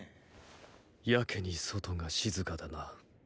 やけに外が静かだな。